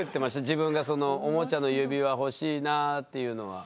自分が「おもちゃの指輪欲しいなぁ」っていうのは。